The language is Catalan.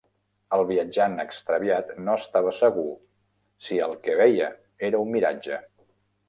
El viatjant extraviat no estava segur si el que veia era un miratge.